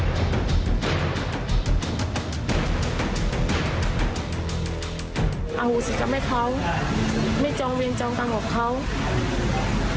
เอาศีลกรรมให้เขาไม่จองเวียนจองกันกับเขา